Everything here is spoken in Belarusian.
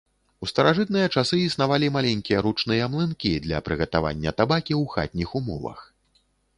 У старажытныя часы існавалі маленькія ручныя млынкі для прыгатавання табакі ў хатніх умовах.